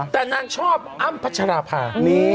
แต่นางชอบอ้ำพัชราภา